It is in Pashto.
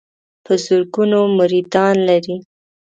په زرګونو مریدان لري.